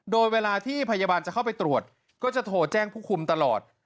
โดยเวลาที่พยาบาลจะเข้าไปตรวจก็จะโทรแจ้งผู้คุมตลอด